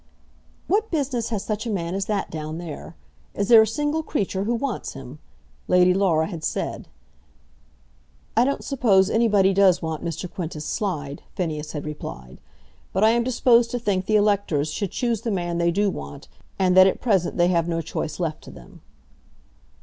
"What business has such a man as that down there? Is there a single creature who wants him?" Lady Laura had said. "I don't suppose anybody does want Mr. Quintus Slide," Phineas had replied; "but I am disposed to think the electors should choose the man they do want, and that at present they have no choice left to them."